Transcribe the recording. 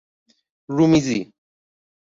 رومیزی